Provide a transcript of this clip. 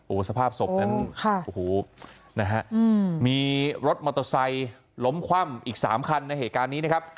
สภาพศพนั้นโอ้โหนะฮะมีรถมอเตอร์ไซค์ล้มคว่ำอีก๓คันในเหตุการณ์นี้นะครับ